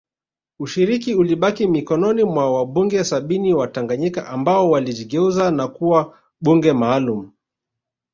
Ushiriki ulibaki mikononi mwa wabunge sabini wa Tanganyika ambao walijigeuza na kuwa bunge maalum